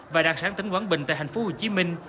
và đặc sản tỉnh quảng bình tại thành phố hồ chí minh